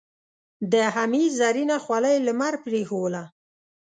د حميد زرينه خولۍ لمر برېښوله.